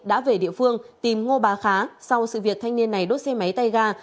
đã về địa phương tìm ngô bà khá sau sự việc thanh niên này đốt xe máy tay ga